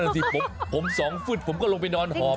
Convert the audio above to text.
นั่นสิผม๒ฝึดผมก็ลงไปนอนหอม